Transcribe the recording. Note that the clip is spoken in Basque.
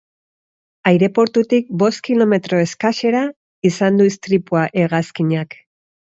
Aireportutik bost kilometro eskasera izan du istripua hegazkinak.